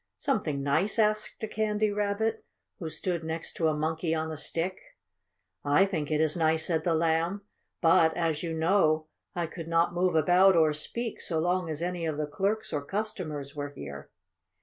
"Something nice?" asked a Candy Rabbit, who stood next to a Monkey on a Stick. "I think it is nice," said the Lamb. "But, as you know, I could not move about or speak so long as any of the clerks or customers were here."